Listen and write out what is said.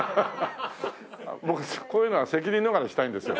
僕こういうのは責任逃れしたいんですよ。